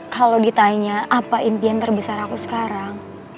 kalau ditanya apa impian terbesar aku sekarang